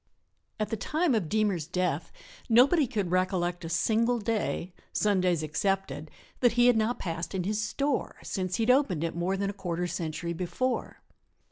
At the time of Deemer's death nobody could recollect a single day, Sundays excepted, that he had not passed in his "store," since he had opened it more than a quarter century before.